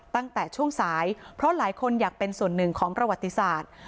ตั้งแต่ช่วงสายเพราะหลายคนอยากเป็นส่วนหนึ่งของประวัติศาสตร์